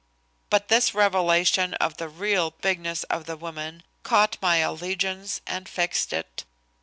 But this revelation of the real bigness of the woman caught my allegiance and fixed it.